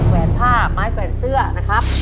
แวนผ้าไม้แขวนเสื้อนะครับ